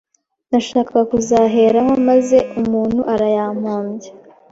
Nashakaga guzaheraho, maze umuntu arayampombya